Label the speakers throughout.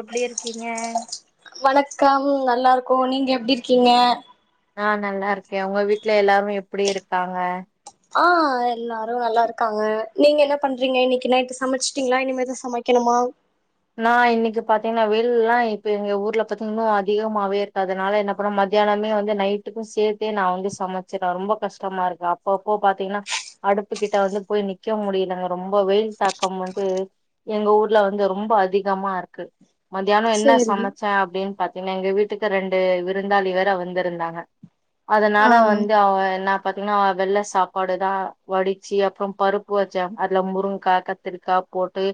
Speaker 1: எப்டி இர்க்கீங்க
Speaker 2: வணக்கம் நல்லாருக்கோ நீங்க எப்டி இர்க்கீங்க
Speaker 1: நா நல்லாரு க்கே உங்க வீட்டு்ல எல்லாரு எப்டி இருக்காங்க
Speaker 2: ஆ எல்லாரு நல்லாருக்காங்க நீங்க என்ன பண்றீங்க இன்னக்கு நைட்டு சமச்சுட்டீங்ளா இனிமேதா சமைக்கணுமா வாவ்
Speaker 1: நா இன்னக்கு பாத்தீங்கன்னா வெயில்லா இப்ப எங்க ஊர்ல பாத்தீங்கன்னா அதிகமாவே இருக்கு அதனால என்ன பண்ண மதியானமே வந்து நைட்டுக்கு சேத்தே நா வந்து சமைச்சிறேன் ரொம்ப கஷ்டமா இருக்கு அப்பப்போ பாத்தீங்கன்னா அடுப்பு கிட்ட வந்து போய் நிக்க முடியலங்க ரொம்ப வெயில் தாக்கம் வந்து எங்க ஊர்ல வந்து ரொம் போ அதிகமா இருக்கு மதியானோ என்ன
Speaker 2: சேரி
Speaker 1: சமச்சே அப்படின்னு பாத் என்ன எங்க வீட்டுக்கு ரெண்டு விருந்தாளி வேர வந்துருந்தாங்க அதனால
Speaker 2: ஆ
Speaker 1: வந்து அவ என்ன பாத்தீங்கன்னா வெள்ள சாப்பாடுதா வடிச்சு அப்புறோ பருப்பு வச்ச அதுல முருங்காய் கத்திரிக்காய் போட்டு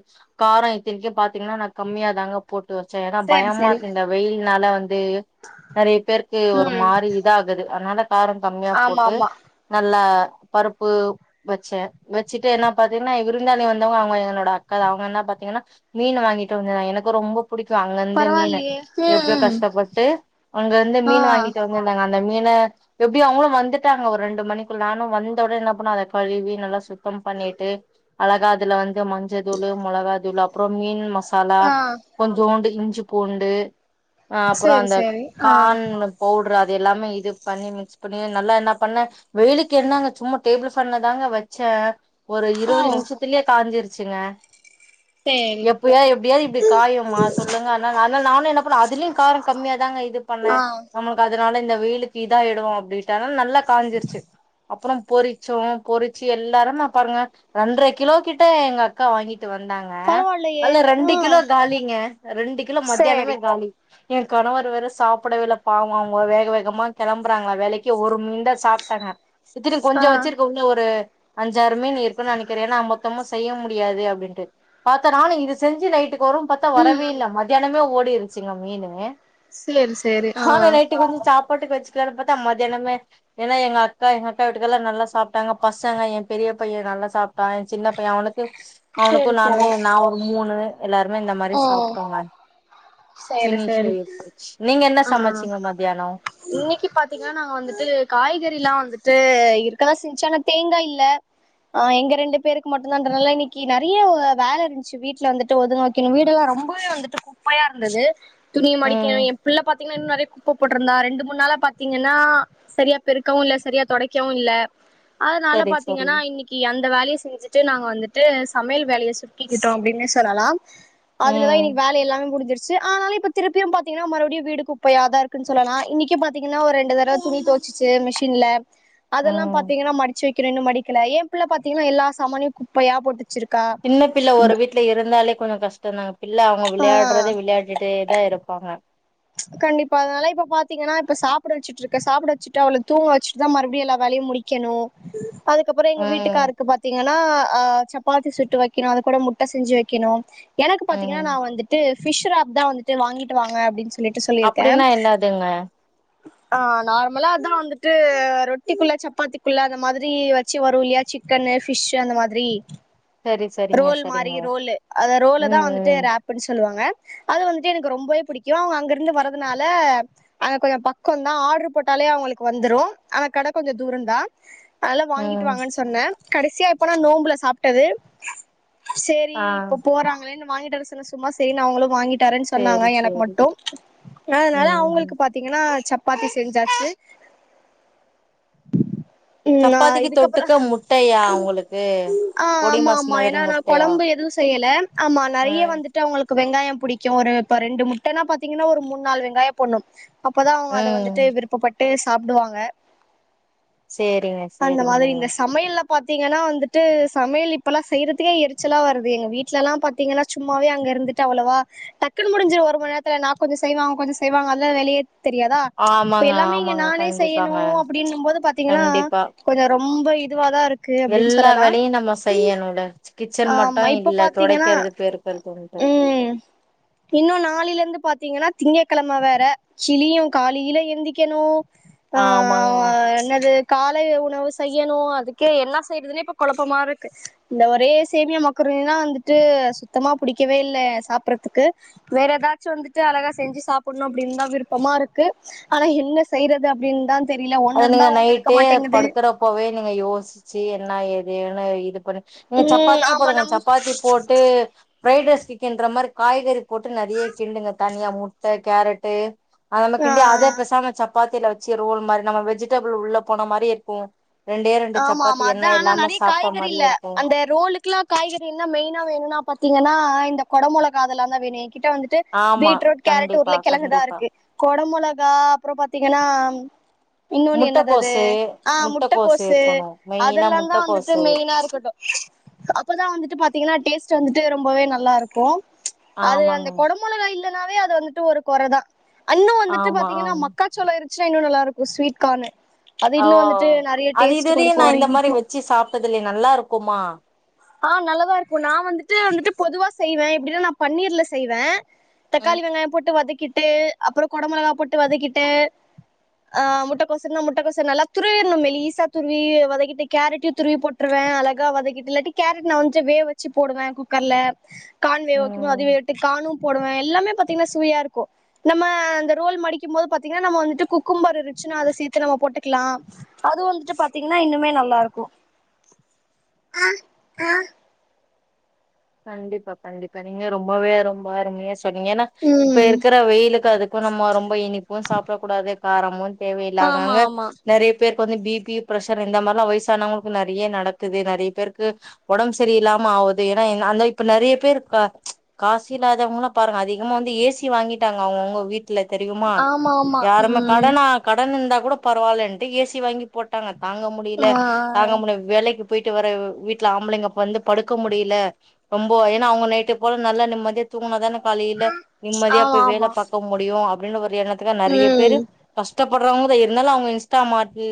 Speaker 1: கார இத்தனைக்கி பாத் தீங்கன்னா கம்மியா தாங்க போட்டு வச்ச ஏன்னா
Speaker 2: சேரி
Speaker 1: பயமா
Speaker 2: சேரி
Speaker 1: இருக்குங்க வெயில்னால வந் நறைய பேருக்கு ஒரு
Speaker 2: ம்
Speaker 1: மாரி இதா ஆகுது அதனால காரம் கம்மியா
Speaker 2: ஆமா
Speaker 1: போட்டு
Speaker 2: ஆமா
Speaker 1: நல்லா பருப்பு வச்ச வச்சுட்டு என்ன பாத்தீங்கன்னா விருந்தாளி வந்தவங்க அவங்க என்னோட அக்காதா அவங்க என்ன பாத்தீங்கன்னா மீன் வாங்கிட்டு வந்தா எனக்கு ரொம்ப புடிக்கு அங்கருந்து மீனு
Speaker 2: பரவாயில்லையே ம்
Speaker 1: எப்படியோ
Speaker 2: ம்
Speaker 1: கஷ்டப்பட்டு அங்க இருந்து
Speaker 2: ஆ
Speaker 1: மீன் வாங்கிட்டு வந்துருந்தாங்க அந்த மீன எப்டி அவங்களு வந்துட்டாங்க ஒரு ரெண்டு மணிக்குள்ள நானு வந்த உடனே என்ன பண்ணே அத கழுவி அத நல்லா சுத்தோ பண்ணிட்டு அழகா அதுல வந்து மஞ்ச தூள் மொளகா தூள் அப்றோ மீன் மசாலா
Speaker 2: ஆ
Speaker 1: கொஞ்சோண்டு இஞ்சி பூண்டு ஆ அப்றோ
Speaker 2: சேரி
Speaker 1: அந்த
Speaker 2: சேரி ஆ
Speaker 1: கான் பவுடரா எல்லாமே இது பண்ணி மிக்ஸ் பண்ணி நல்லா என்ன பண்ணே வெயிலுக்கு என்னங்க சும்மா டேபிள் ஃபன்ல தாங்க வச்ச க ஒரு
Speaker 2: ஓ
Speaker 1: இருபது நிம்ஷத்துலே காஞ்சிருச்சுங்க
Speaker 2: சேரி
Speaker 1: எப்பயா எப்டியாது இப்டி காயுமா சொல்லுங்க ஆனா அதனால நானு என்ன பண்ணே அதுலயு காரோ கம்மியா தாங்க இது பண்ண
Speaker 2: ஆ
Speaker 1: நம்மளுக்கு அதனால இந்த வெயிலுக்கு இதா இடு அப்படிட்டு நல்லா காஞ்சிருச்சு அப்றோ பொறிச்சோ பொறிச்சு எல்லாரும் நா பாருங்க ரெண்ர கிலோ கிட்ட எங்க அக்கா வாங்கிட்டு வந்தா க
Speaker 2: பரவாயில்லையே
Speaker 1: அத்ல
Speaker 2: ஆ
Speaker 1: ரெண்டு கிலோ காலிங்க ரெண்டு கிலோ
Speaker 2: சேரி
Speaker 1: மதியானமே காலி எ கணவர் வேற சாப்புடவேஇல்ல பாவோ அவங்க வேக வேகமா கிளம்புறாங்களா வேலைக்கு ஒரு மீன்தா சாப்ட்டாங்க இத்திரு
Speaker 2: ஆ
Speaker 1: கொஞ்ச வச்சிருக்க உள்ள ஒரு அஞ்சாரு மீன் இருக்குன் நெனக்கிற ஏனா மொத்தமு செய்யவு முடியாது அப்டின்ட்டு பாத்தா நானு இது செஞ்சு நைட்டு ஓரும் பாத்தா
Speaker 2: ம்
Speaker 1: வரவே
Speaker 2: ம்
Speaker 1: இல்ல மத்தியானமே ஓடிருச்சிங்க மீனு
Speaker 2: சேரி சேரி
Speaker 1: ஆ நா நைட்டுக்கு வந்து சாப்பாட்டுக்கு வச்சு பத்தா மதியானம ஏன்னா எங்க அக்கா எங்க அக்கா வீட்டுக்கால்லா நல்லா சாப்ட்டாங்க பசங்க எ பெரிய பைய நல்லா சாப்ட் சின்ன பையன் அவனுக்கு அவனுக்கு
Speaker 2: சேரி
Speaker 1: நானு
Speaker 2: சேரி
Speaker 1: நா ஒரு மூணு எல்லாருமே இந்த மாரி
Speaker 2: ஓ
Speaker 1: சாப்ட்டோங்க
Speaker 2: சேரி
Speaker 1: பினி்ஷ்
Speaker 2: சேரி
Speaker 1: நீங்க என்ன சமச்சீங்க மத்தியானோ
Speaker 2: இன்னக்கு பாத்தீங்கன்னா நாங்க வந்துட்டு காய்கறில்லா வந்துட் டு இருக்கதா செஞ்சு ஆனா தேங்கா இல்ல ஆ எங்க ரெண்டு பேருக்கு மட்டும்தான்ன்றதுனால இன்னக்கு நிறைய வேல இருந்துச்சு வீட்ல வந்துட்டு ஒதுங்க வீடு எல்லா ரொம்பவே வந்துட்டு குப்பயா இருந்துது துணிய மடிக்க
Speaker 1: ம்
Speaker 2: என் புள்ள பாத்தீங்கனா இன்னு நறைய குப்ப போட்ருந்தா ரெண்டு மூண் நாள பாத்தீங்கனா சரியா பெருக்கவு இல்ல சரியா தொடைக்கவு இல்ல அதனால
Speaker 1: சரி சரி
Speaker 2: பாத்தீங்கன்னா இன்னக்கு அந்த வேலய செஞ்சு நாங்க வந்துட்டு சமயல் வேலய சுக்கிக்கிட்டோ அப்டின்னே சொல்லலா அதுலதா
Speaker 1: ம்
Speaker 2: இன்னக்கி வேல எல்லாமே முடுஞ்சிருச் ஆனாலு இப்ப திருப்பியு பாத்தீங்கன்னா மறுபடியு வீடு குப்பயாதா இருக்குன் சொல்லலா இன்னக்கும் பாத்தீங்கா ஒரு ரண்டு தர துணி தொவ்ச்சி சி மிஷின்ல அதெல்லாம்
Speaker 1: ம்
Speaker 2: பாத்தீங்கன்னா மடிச்சு வைக்கணும் இன்னும் மடிக்கல ஏன் பிள்ள பாத்தீங்கன்னா எல்லா சமானியும் குப்பையா போட்டு வச்சிருக்கா
Speaker 1: சின்ன பிள்ள ஒரு வீட்ல இருந்தாலே கொஞ்சம் கஷ்டம் தாங்க பிள்ளை அவங்க
Speaker 2: ஆ
Speaker 1: விளையாடுறதே விளையாடிட்டே தான் இருப்பாங்க
Speaker 2: கண்டிப்பா அதனால இப்ப பாத்திங்கன்னா இப்ப சாப்ட வச்சட்டு இருக்க சாப்ட வச்சுட்டு அவ்ள தூங்க வச்சட்டு தான் மறுபடிய எல்லாம் வேலை முடிக்கணும் அதுக்கப்புறம் எங்க
Speaker 1: ம்
Speaker 2: வீட்டுக்காருக்கு பாத்தீங்கன்னா ஆ சப்பாத்தி சுட்டு வைக்கணும் அது கூட முட்டை செஞ்சு வைக்கணும் எனக்கு பாத்தீங்கன்னா
Speaker 1: ம்
Speaker 2: நான் வந்துட்டு பிஷ் ராப் தான் வந்துட்டு வாங்கிட்டு வாங்க அப்படின்னு சொல்லிட்டு சொல்லியிருக்கே
Speaker 1: அப்டின்னா என்னதுங்க
Speaker 2: ஆ நார்மலா அதான் வந்துட்டு ரொட்டிக்குள்ள சப்பாத்திக்குள்ள அந்த மாதிரி வச்சு வரும் இல்லையாச்ச சிக்கனு ஃபிஸ்ஷு அந்த மாதிரி
Speaker 1: சரி சரிங்க
Speaker 2: ரோல் மாரி
Speaker 1: சரிங்க
Speaker 2: ரோல அ
Speaker 1: ம்
Speaker 2: ரோல தான் வந்துட்டு
Speaker 1: ம்
Speaker 2: ரேப்ன்னு சொல்லுவாங்க அது வந்துட்டு எனக்கு ரொம்பவே புடிக்கும் அவங்க அங்க இருந்து வரறதுனால அங்க கொஞ்சம் பக்கம் தான் ஆர்டரு போட்டால அவங்களுக்கு வந்துரும் ஆனா கடை கொஞ்சம் தூரம் தான் அதல வாங்கிட்டு
Speaker 1: ம்
Speaker 2: வாங்கன்னு சொன்னேன் கடைசியா எப்பனா நோம்புல சாப்ட்டது சரி
Speaker 1: ஆ
Speaker 2: இப்ப போறாங்களேன்னு வாங்கிட்டுரசன்ன சும்மா சரி நான் அவங்களும் வாங்கின் தரேன் னு சொன்னாங்க
Speaker 1: சேரி
Speaker 2: எனக்கு
Speaker 1: சேரி
Speaker 2: மட்டும் அதனால
Speaker 1: ம் ம்
Speaker 2: அவங்களுக்கு பாத்தீங்கன்னா ச பாத்தி செஞ்சாசு ம் ஆ
Speaker 1: சப்பாத்திக்கு தொட்டுக்க
Speaker 2: இதுக்கப்புறம்
Speaker 1: முட்டையா உங்களுக்கு
Speaker 2: ஆ
Speaker 1: பொடி
Speaker 2: ஆமா
Speaker 1: மாஸ்
Speaker 2: ஆமா
Speaker 1: மாதிரி
Speaker 2: நான்
Speaker 1: முட்டையா
Speaker 2: குழம்பு எதுவும் செய்யல ஆமா நறைய
Speaker 1: ம்
Speaker 2: வந்துட்டு அவங்களுக்கு வெங்காயம் போட் புடிக்கும் ஒரு ரெண்டு முட்டைன்னா பாத்தீங்கன்னா ஒரு மூணு நாலு வெங்காயம் போடணும் அப்பதான் அவங்க அத
Speaker 1: ம்
Speaker 2: வந்துட்டு விருப்பப்பட்டு சாப்டுவாங்க
Speaker 1: சேரிங்க
Speaker 2: அந்த
Speaker 1: சேரிங்க
Speaker 2: மாதிரி இந்த சமையல்ல பாத்தீங்கன்னா வந்துட்டு சமையலிப்பு இப்பல்லாம் செய்யறதுக்கே எரிச்சலா வருது எங்க வீட்ல எல்லாம் பாத்தீங்கன்னா சும்மாவே அங்க இருந்துட்டு அவ்வளவா டக்குன்னு முடிஞ்ச ஒரு மணி நேத்து நான் கொஞ்ச செய்வ அவங்க கொஞ்சம் செய்வங்க அதலாம் வெளிய தெரியாதா இப்ப
Speaker 1: ஆமாங்க
Speaker 2: எல்லாமே இங்க
Speaker 1: ஆமாங்க
Speaker 2: நானே
Speaker 1: கண்டிப்பாங்க
Speaker 2: செய்யணும் அப்படிங்கனும் போது பாத்தீங்கன்னா
Speaker 1: கண்டிப்பா
Speaker 2: கொஞ்சம் ரொம்ப இதுவா தான் இருக்கு அப்டின்னு
Speaker 1: எல்லா
Speaker 2: சொல்லலா
Speaker 1: வேலையும் நம்ம செய்யனும் ல கிச்சன்
Speaker 2: ஆமா
Speaker 1: மட்டும்
Speaker 2: இப்ப
Speaker 1: இல்ல
Speaker 2: பாத்தீங்கன்னா
Speaker 1: துடைக்கிறது பெருக்கிறது உட்டு
Speaker 2: இன்னும் நாளில இருந்து பாரத்தீங்கன்னா திங்க கிழமை வேற கிலியும் கால இல எந்திக்கணும் ஆ
Speaker 1: ஆமாங்க
Speaker 2: என்னது கால உணவு செய்யணும் அதுக்கே என்ன செய்யறதுன்னே இப்ப குழப்பமா இருக்கு இந்த ஒரே சேமிய மக்ருனி அ வந்துட்டு சுத்தமா புடிக்கவே இல்ல சாப்பறதுக்கு வேற ஏதாச்சும் வந்துட்டு அழகா செஞ்சு சாப்டணும் அப்படின்னுதான் விருப்பமா இருக்கு ஆனா என்ன செய்யறது அப்படின்னு தான்
Speaker 1: அது நீங்க நைட்டே படுக்கறப்பவே நீங்க யோசிச்சு என்ன ஏதுன்னு இது நீங்க
Speaker 2: ம்
Speaker 1: சப்பாத்தியே
Speaker 2: ஆமா
Speaker 1: போடுங்க
Speaker 2: நம்
Speaker 1: சப்பாத்தி போட்டு பிரைட் ரைஸ் சிக்கன்ற மாரி காய்கறி போட்டு நறைய கிண்டுங்க தனியா முட்டை கேரட்டு அத நம கிண்டி அதே
Speaker 2: ஆ
Speaker 1: பெசாம சப்பாத்தில வச்சு ரோல் மாரி நம்ம வெஜிடபிள் உள்ள போன மாரி இருக்கு ரெண்டே ரெண்டு
Speaker 2: ஆமா ஆமா
Speaker 1: சப்பாத்தி
Speaker 2: அதா
Speaker 1: எண்ண
Speaker 2: ஆனா
Speaker 1: இல்லாம
Speaker 2: நெறய
Speaker 1: சாப்ட்ட மாரியே
Speaker 2: காய்கறில்ல
Speaker 1: இருக்கு
Speaker 2: அந்த ரோலுக்கெலா காய்கறி என்னா மெய்னா வேணுனா பாத்தீங்கனா இந்த கொட மொளகா அதெலா தா வேணு ஏக் கிட்ட வந்துட்டு
Speaker 1: ஆமா
Speaker 2: பீட்ரூட் கேரட்
Speaker 1: கண்டிப்பா
Speaker 2: உருல கிழகுதா
Speaker 1: கண்டிப்பா
Speaker 2: இருக்கு கொட மொளக் கா அப்றோ பாத்தீங்கனா இன்னொனு என்னாது அது
Speaker 1: முட்டக்கோசு
Speaker 2: ஆ முட்ட
Speaker 1: முட்டக்கோசு இருக்கணு மெயினா
Speaker 2: கோஸூஅதெலாந்தா வந்துட்டு
Speaker 1: முட்டக்கோசு
Speaker 2: மெயினா இருக்கட்டு அப்பதா வந்துட்டு பாத்தீங்கனா டேஸ்ட் வந்துட்டு ரொம்பவே நல்லா இருக்கு அது அந்த
Speaker 1: ஆமாங்க
Speaker 2: குட மிளகா இல்லனாவே அது வந்துட்டு ஒரு கொறதா அன்னு வந்துட்டு
Speaker 1: ஆமா
Speaker 2: பாத்தீங்கனா
Speaker 1: ஆமா
Speaker 2: மக்காச்சோள இருந்ச்சுனா இன்னு நல்லா இருக்கு ஸ்வீட்கானு அது
Speaker 1: ஓ
Speaker 2: இன்னு வந்துட்டு நெறய
Speaker 1: அது இதுயரயு நா இந்த மாரி வச்சு சாப்ட்டதுலயே நல்லா இருக்குமா
Speaker 2: ஆ நல்லதா இருக்கு நா வந்துட்டு வந்துட்டு பொதுவா செய்வ எப்டினா நா பன்னீர்ல செய்வ தக்காளி
Speaker 1: ம்
Speaker 2: வெங்காய போட்டு வதக்கிட்டு அப்றோ கொட மொளகா போட்டு வதக்கிட்டு ஆ முட்டக்கோசன்னா முட்டக்கோசனா நல்லா துருவினு மெலிசா துருவி வதகிட்டு கேரட்டையு துருவி போட்ருவ ஆ அழகா வதாகிட்டு இல்லாட்டி கேரட் நா வந்து வேக வச்சு போடுவ குக்கர்ல கான் வேவு வக்கும்போது
Speaker 1: ம்
Speaker 2: அதுவேகட்டு கானும் போடுவ எல்லாமே பாத்தீங்கனா சுவையா இருக்கு நம்ம அந்த ரோல் மடிக்கு போது பாத்தீங்கனா நம்ம வந்துட்டு குக்கும்பர்ரு அத சேத்து நம்ம போட்டுக்கலா அது வந்துட்டு பாத்தீங்கனா இன்னுமே நல்லா இருக்கு ஆ ஆ
Speaker 1: கண்டிப்பா கண்டிப்பா நீங்க ரொம்பவே ரொம்ப அருமையா சொனேங்க ஏனா இப்ப
Speaker 2: ம்
Speaker 1: இருக்குற வெயிலுக்கு அதுக்கு நம்ம ரொம்ப இனிப்பு சாப்புட கூடாது காரமு
Speaker 2: ஆமா
Speaker 1: தேவையில்லாகாங்க
Speaker 2: ஆமா
Speaker 1: நெறய பேர் வந்து பி பி பிரஷர் இந்த மாரிலா வயசானவங்களுக்கு நெறய நடக்குது நெறய பேருக்கு உடம் சரியில்லாம ஆவுது ஆ அந்த இப்ப நிறைய பேர் கா ச் காசி இல்லாதவங்களா பாருங்க அதிகமா வந்து ஏ சி வாங்கிட்டாங்க அவுங்கவுங்க வீட் இல தெரியுமா
Speaker 2: ஆமா ஆமா
Speaker 1: யாருமே
Speaker 2: ம்
Speaker 1: கடனா கடன் இருந்தா கூட பரவால்ன்ட்டு ஏ சி வாங்கி போட்டாங்க தாங்க முடில
Speaker 2: ஆ
Speaker 1: தாங்க முடிய வேலைக்கு போயிட்டு வர வீட்ல ஆம்பிளைங்க வந்து படுக்க முடியல ரொம்ப ஏனா அவுங்க நைட்டு போல நல்லா நிம்மதியா தூங்குனாதான காலையில
Speaker 2: ஆமா
Speaker 1: நிம்மதியா போய் வேல
Speaker 2: ஆமா
Speaker 1: பாக்க முடியு அப்டின்னு ஒரு எண்ணத்துக்கு நிறைய பேரு
Speaker 2: ம்
Speaker 1: கஷ்டப் போட்றவங்கதா இருந்தாலு அவுங்க இன்ஸ்டாமாட்டு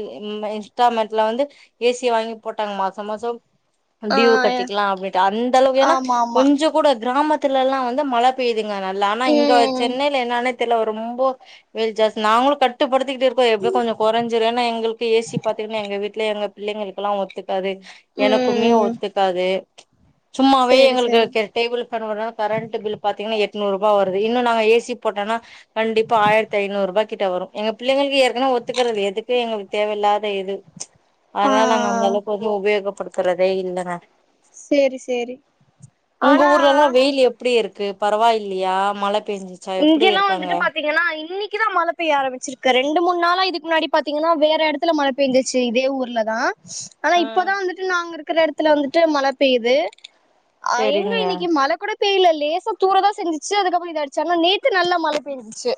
Speaker 1: இன்ஸ்டாமெட்ல வந்து ஏ சிய வாங்கி போட்டாங்க மாச மாச
Speaker 2: ஆ
Speaker 1: டியுவ் கட்டிக்கலா அப்டின்ட்டு அந்த அளவுக்கு ஏனா
Speaker 2: ஆமா ஆமா
Speaker 1: கொஞ்சோ கூட கிராமத்துல எல்லா வந்து மழ பெய்து நல்லா ஆனா இங்க
Speaker 2: ம்
Speaker 1: சென்னைல என்னானே தெரில ரொம்ப வெயி ஜாஸ்த் நாங்களு கட்டுப்படுத் திகிட்டு இருக்கு எப்டி கொஞ்சோ குறஞ்சிரு எங்களுக்கு ஏ சி பாத்துன்ன எங்க வீட்டுல எங்க பிள்ளங்களுக்குலா ஒத்து க்காது எனக்குமே
Speaker 2: ம்
Speaker 1: ஒத்துக்காது சும்மாவே
Speaker 2: சேரி சேரி
Speaker 1: எங்குளுக்கு டேபிள் ஃபன் ஒட்ராதா கரண்ட் பில் பாத்தீங்கனா எட்நூறு ரூபா வருது இன்னு நாங்க ஏ சி போட்டனா கண்டிப்பா ஆயிரத்தி ஐநூ ரூபா கிட்ட வரு எங்க பிள்ளகளுக்கு ஏற்கனவே ஒத்துக்குறது எதுக்கு எங்களுக்கு தேவயில் இல்லாத இது
Speaker 2: ஆ
Speaker 1: அதனால நாங்க அந்த அளவுக்கு வந்து உபயோகப்படுத்துறதே இல்லங்க
Speaker 2: செரி செரி
Speaker 1: உங்க ஊர்லலா வெயில் எப்டி இருக்கு பரவாயில்லையா மழ பெஞ்சுச்சா எப்டி
Speaker 2: இங்கெல்லா
Speaker 1: இருக்காங்க
Speaker 2: வந்துட்டு பாத்தீங்கனா இன்னக் இன்னக்கி தா மழ பெய்ய ஆரமிச்சிருக்கு ரெண்டு மூண் நாள இதுக்கு முன்னாடி பாத்தீங்கனா வேற இடத்துல மழபேஞ்ச்சு இதே ஊர்ல தா ஆனா இப்பதா வந்துட்டு நாங்க இருக்குற இடத்துல வந்துட்டு மழ பெய்து ஆ எங்க
Speaker 1: செரிங்க
Speaker 2: இன்னக்கி மழ கூட பெய்ல லேசா தூரதா செஞ்சுச்சு அதுக்கப்போ இத சன்னா நேத்து நல்லா மழ பெயஞ்சுச்சு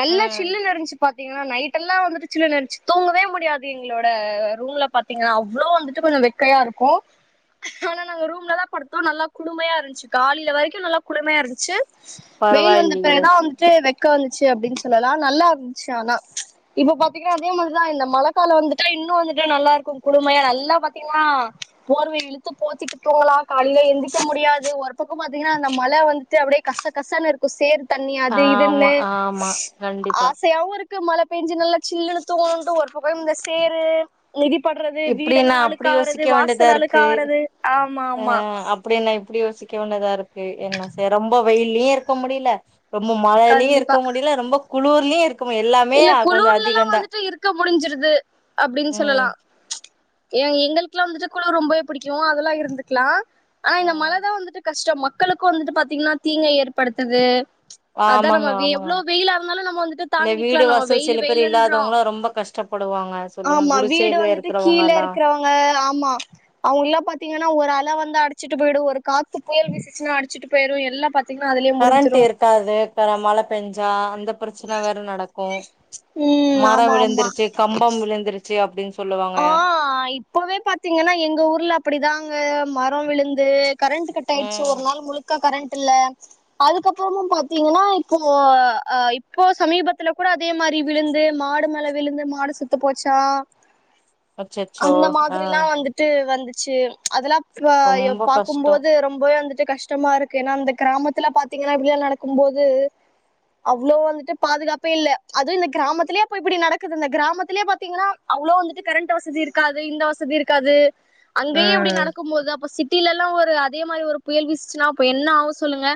Speaker 2: நல்லா சில்லுனு இருந்துச்சி பாக் பாதேங்கனா நைட்எல்லா வந்து சில்லுனுச்சி தூங்கவே முடியாது எங்களோட ரூம்ல பாத்தீங்கனா அவ்ளோ வந்துட்டு கொஞ்சோ வெக்கையா இருக்கு ஆனா நாங்க ரூம்லதா படுத்தோ நல்லா குழுமையா இருன்ச்சு காலலில வரைக்கு நல்லா குழுமையா இருன்ச்சு வெயில் வந்த
Speaker 1: பரவாயில்லையே
Speaker 2: பெதா வந்துட்டு வெக்க வந்து ச்சி அப்டினு சொல்லலா நல்லா இருன்ச்சு ஆனா இப்ப பாத்தீங்கனா அதே மாரிதா இந்த மழக்கல வந்துட்டா இன்னு வந் து நல்லா இருக்கு குலு மையா நல்லா பாத்தீங்கனா போர்வைய இலுத்து போதிட்டு தூங்கலா காலலே எந்திக்கும்போ முடியாது ஒரு பக்க பாத்தீங்கன்னா அந்த மழ வந்துட்டு அப்படியே கச கசன்னு இருக்கு சேறு தண்ணி ஆது
Speaker 1: ஆமா
Speaker 2: இதுன்னு
Speaker 1: ஆமா கண்டிப்பா
Speaker 2: ஆசையாவு இருக் க்கு மழ பெஞ்சு நல்ல சில்லுனு தூங்கணும்ட் ஒரு பக்க இந்த சேரு மிதிப்படுறது வீடெல்லா
Speaker 1: இப்டின்னா அப்டி
Speaker 2: அழுக்காகறது
Speaker 1: யோசிக்க வேண்டியதா
Speaker 2: வாசல் அழுக்
Speaker 1: இருக்கு
Speaker 2: ஆகறது ஆமா ஆமா
Speaker 1: கியூன்னதா இருக்கு என்ன ரொம்ப வெயிலையு இருக்க முடியல ரொம்ப மழையிலயு
Speaker 2: கண்டிப்பா
Speaker 1: இருக்க முடியல ரொம்ப குளூர்லயு இருக்
Speaker 2: இல்ல குளூர்லல்லா வந்துட்டு இருக்க முடிஞ்சிருது அப்படின்னு சொல்லலா
Speaker 1: ம்
Speaker 2: ஏ எங்களுக்குயெல்லா வந்துட்டு குளுர் ரொம்பவே பிடிக்கு அதெல்லா இருந்துக்கலா ஆனா இந்த
Speaker 1: ம்
Speaker 2: மழதா வந்துட்டு கஷ்டம் மக்களுக்கு வந்துட்டு பாத்தீங்கன்னா தீங்க ஏற்படுத்து அதா நம்ம
Speaker 1: ஆமாங்க ஆமாங்க
Speaker 2: எவ்வளவு வெயிலா இருந்தாலு நம்ம வந்துட்டு
Speaker 1: இந்த
Speaker 2: தாங்கி
Speaker 1: வீடு
Speaker 2: நம்ம
Speaker 1: வாசல்
Speaker 2: வெயில்
Speaker 1: சில பேர்
Speaker 2: வெயில்ன்றோ
Speaker 1: இல்லாதவங்களா ரொம்ப கஷ்டப்படுவாங்க சொல்லுங்க
Speaker 2: ஆமா வீடு
Speaker 1: குடிசைல
Speaker 2: வந்துட்டு கீழ
Speaker 1: இருக்கிறவங்கல்லா
Speaker 2: இருக்கிறவங்க ஆமா அவங்களா பாத்தீங்கன்னா ஒரு ஆள் வந்து அடிச்சுட்டு போய்டு ஒரு காத்து புயல் விசிச்சுன்னா அடிச்சுட்டு போயிடு எல்லா பத்
Speaker 1: கரண்ட் இருக்காது மழ பெஞ்சா அந்த பிரச்சன வேற நடக் கும்
Speaker 2: ம் ஆமா
Speaker 1: மரம்
Speaker 2: ஆமா
Speaker 1: விழுந்துருச்சு கம்பம் விழுந்தருச்சு அப்படின்
Speaker 2: ஆ இப்பவே பாத்தீங்கன்னா எங்க ஊர்ல அப்படிதாங்க மரோ விலுந்து கரண்ட்டு கட்டாயிடிச்சி
Speaker 1: ம்
Speaker 2: ஒரு நாள் முலுக்க கரண்ட் டுல்ல அதுக்கப்புறமும் பாத்தீங்கன்னா இப்போ அ இப்போ சமீபத்துல கூட அதே மாரி இடி விலுந்து மாடு மேல விலுந்து மாடு செத்து போச்சா
Speaker 1: அச்சச்சோ
Speaker 2: அந்த
Speaker 1: ஆ
Speaker 2: மாதிரில்லா வந்துட்டு வந்து சே அதெல்லா ப அய்யோ
Speaker 1: ரொம்ப கஷ்டோ
Speaker 2: பாக்கும்போது ரொம்பவே வந்துட் டு கஷ்டமாருக்கு ஏன்னா அந்த கிராமத்துல பாத்தீங்கன்னா இப்படியெல்லா நடக்கும் போது அவ்ளோ வந்துட்டு பாதுகாப்பே இல்ல அதுவு இந்த கிராமத்திலயே இப்ப இப்டி நடக்குது இந்த கிராமத்திலேயே பாத்தீங்கன்னா அவ்ளோ வந்துட்டு கரண்ட்டு வசதி இருக்காது இந்த வசதி இருக்காது அங்கயே அப்படி
Speaker 1: ம்
Speaker 2: நடக்கும் போது அப்ப சிட் டிலல்லா ஒரு அதே மாதிரி ஒரு புயல் வீசிச்சின்னா அப்போ என்ன ஆவு சொல்லுங்க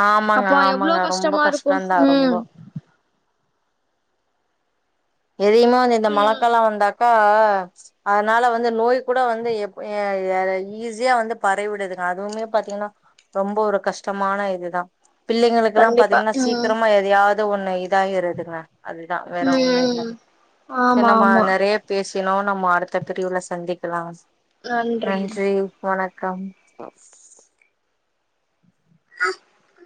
Speaker 1: ஆமாங்க
Speaker 2: அப்பா எவ்வளோ
Speaker 1: ஆமாங்க ரொம்ப
Speaker 2: கஷ்டமாருக்கோ
Speaker 1: கஷ்டந்தா
Speaker 2: ம்
Speaker 1: ரொம்போ எதுமே வந்து இந்த
Speaker 2: ம்
Speaker 1: மழக்காலோ வந்தாக்கா அ அதனால வந்து நோய் கூட வந்து எப் எ எ ஈஸியா வந்து பரவிடுதுங்க அதுவுமே பாத்தீங்கன்னா ரொம்ப ஒரு கஷ்டமான இதுதா பிள்ளைங்களுக்குல்லா
Speaker 2: கண்டிப்பா
Speaker 1: பாத்தீங்கன்னா
Speaker 2: ம்
Speaker 1: சீக்கிரமா எதையாவது ஒண்ணு இதாயிருதுங்க அதுதா வேற ஒண்ணு இல்ல
Speaker 2: ம் ஆமா
Speaker 1: என்னம்மா
Speaker 2: ஆமா
Speaker 1: நெறைய பேசினோ நம்ம அடுத்த பிரிவுல சந்திக்கலா நன்றி வணக்கம்
Speaker 2: அ